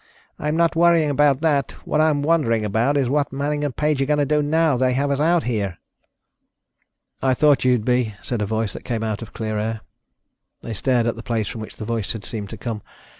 I'm not worrying about that. What I'm wondering about is what Manning and Page are going to do now that they have us out here." "I thought you'd be," said a voice that came out of clear air. They stared at the place from which the voice had seemed to come.